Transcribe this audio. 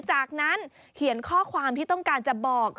จากนั้นเขียนข้อความที่ต้องการจะบอก